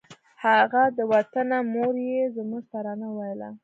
هغه د وطنه مور یې زموږ ترانه وویله